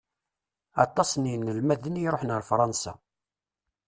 Aṭas n inelmaden i iṛuḥen ar Fransa.